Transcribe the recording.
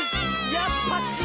やっぱし。